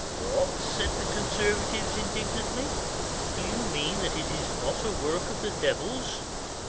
" "What !" said the conservatives indignantly; "do you mean that it is not a work of the Devil's